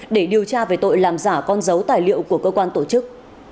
để điều tra về tội làm giả con dấu tài liệu của cơ quan tổ chức